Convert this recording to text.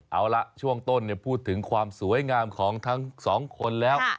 เอาล่ะช่วงต้นพูดถึงความสวยงามของทั้งสองคนแล้ว